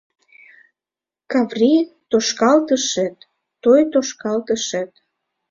Каври тошкалтышет — той тошкалтышет